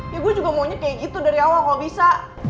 ya gue juga maunya kayak gitu dari awal kalau bisa